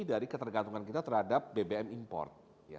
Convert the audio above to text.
dari ketergantungan kita terhadap bbm import